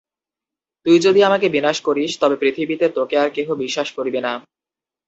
তুই যদি আমাকে বিনাশ করিস্, তবে পৃথিবীতে তােকে আর কেহ বিশ্বাস করিবে না।